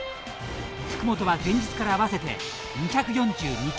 福本は前日から合わせて２４２球目でした。